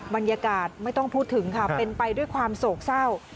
บรรยากาศไม่ต้องพูดถึงค่ะเป็นไปด้วยความโศกเศร้า